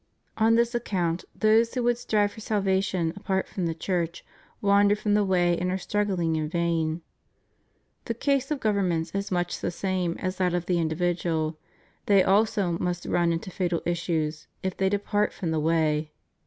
On this account those who would strive for salvation apart from the Church, wander from the way and are struggling in vain. The case of governments is much the same as that of the individual; they also must run into fatal issues, if they depart from the way.